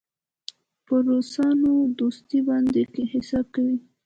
پر روسانو دوستي باندې حساب کوي.